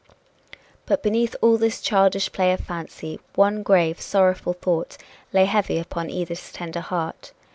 But beneath all this childish play of fancy, one grave, sorrowful thought lay heavy upon Edith's tender heart.